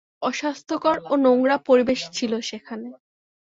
অস্বাস্থ্যকর ও নোংরা পরিবেশ ছিল সেখানে।